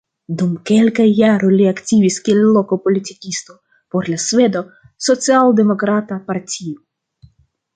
Dum kelkaj jaroj li aktivis kiel loka politikisto por la Sveda Socialdemokrata Partio.